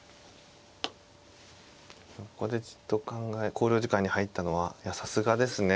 ここでじっと考え考慮時間に入ったのはさすがですね。